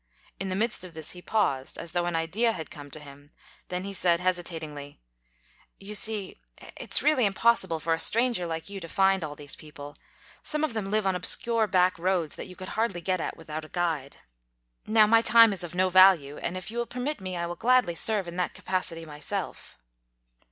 In the midst of this he paused, as though an idea had come to him, then he said hesitatingly, "You see, it's really impossible for a stranger like you to find all these people. Some of them live on obscure back roads that you could hardly get at without a guide. Now, my time is of no value, and if you will permit me, I will gladly serve in that capacity myself."